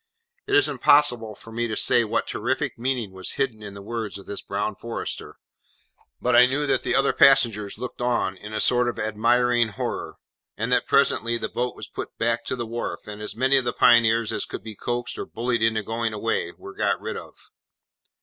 It is impossible for me to say what terrific meaning was hidden in the words of this brown forester, but I know that the other passengers looked on in a sort of admiring horror, and that presently the boat was put back to the wharf, and as many of the Pioneers as could be coaxed or bullied into going away, were got rid of.